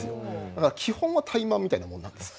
だから基本はタイマンみたいなもんなんです。